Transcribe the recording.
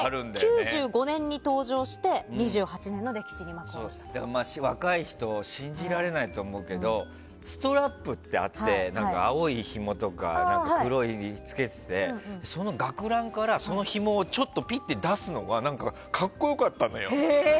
９５年に登場して若い人信じられないと思うけどストラップってあって青いひもとかつけててその学ランから、そのひもをちょっとピッて出すのが格好良かったのよ。